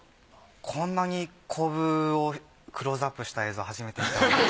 こんなに瘤をクローズアップした映像初めて見た。